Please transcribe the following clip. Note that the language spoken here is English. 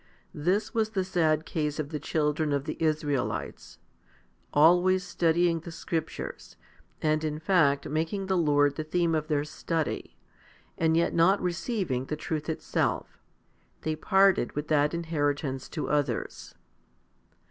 This was the sad case of the children of the Israelites ; always studying the scriptures, and in fact making the Lord the theme of their study, and yet not receiving the truth itself, they parted with that inheritance to others.